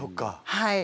はい。